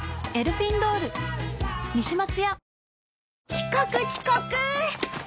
遅刻遅刻！